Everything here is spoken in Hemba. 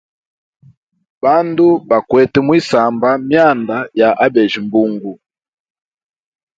Bandu bakwete mwisamba mwyanda ya abeja mbungu.